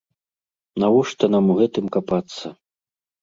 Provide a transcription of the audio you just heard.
Навошта нам у гэтым капацца!